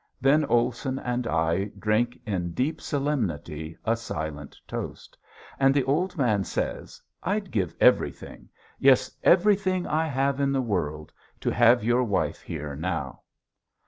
Then Olson and I drink in deep solemnity a silent toast; and the old man says, "I'd give everything yes everything I have in the world to have your wife here now!"